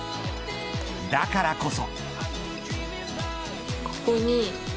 だからこそ。